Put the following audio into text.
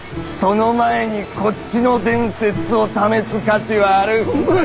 その前にこっちの伝説を試す価値はあるッ。